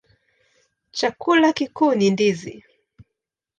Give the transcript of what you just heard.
Chakula kikuu ni ndizi.